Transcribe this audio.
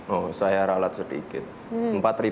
oh saya ralat sedikit